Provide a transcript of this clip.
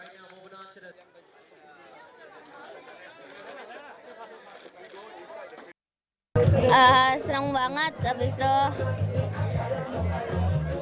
seram banget abis itu